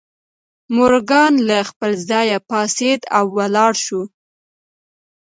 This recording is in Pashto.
مورګان له خپل ځایه پاڅېد او ولاړ شو